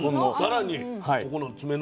さらにここの爪の。